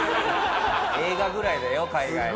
映画ぐらいだよ海外の。